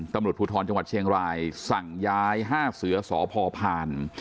ตำรวจภูทรจังหวัดเชียงรายสั่งย้าย๕เสือสพพาน